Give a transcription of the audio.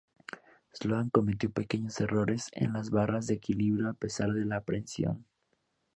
Sloan cometió pequeños errores en las barras de equilibrio a pesar de la presión.